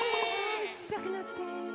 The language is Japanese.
ちっちゃくなって。